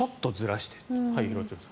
廣津留さん。